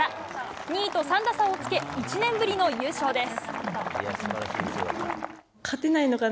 ２位と３打差をつけ１年ぶりの優勝です。